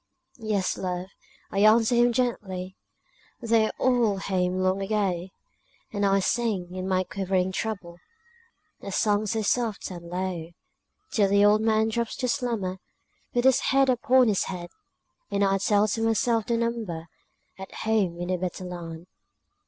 "Yes, love!" I answer him gently, "They're all home long ago;" And I sing, in my quivering treble, A song so soft and low, Till the old man drops to slumber, With his head upon his hand, And I tell to myself the number At home in the better land.